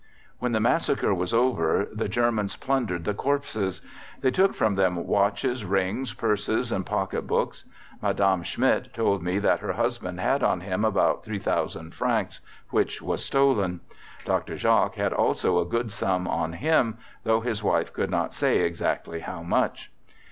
"When the massacre was over the Germans plundered the corpses. They took from them watches, rings, purses, and pocket books. Madame Schmidt told me that her husband had on him about 3,000 francs, which was stolen. Dr. Jacques had also a good sum on him, though his wife could not say exactly how much.